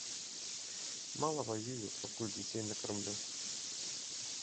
Мала ваюю, пакуль дзяцей накармлю.